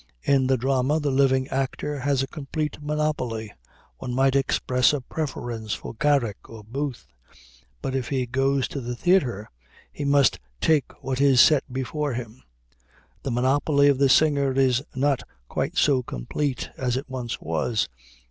In the Drama the living actor has a complete monopoly. One might express a preference for Garrick or Booth, but if he goes to the theater he must take what is set before him. The monopoly of the singer is not quite so complete as it once was.